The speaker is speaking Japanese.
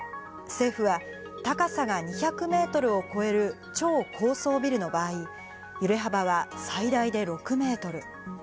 政府は、高さが２００メートルを超える超高層ビルの場合、揺れ幅は最大で６メートル。